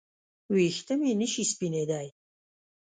ویښته مې نشي سپینېدای